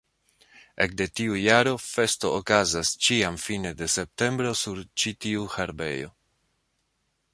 Ekde tiu jaro festo okazas ĉiam fine de septembro sur ĉi-tiu herbejo.